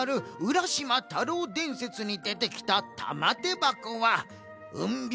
浦島太郎伝説にでてきたたまてばこはうんび